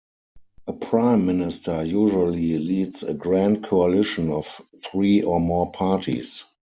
A Prime Minister usually leads a grand coalition of three or more parties.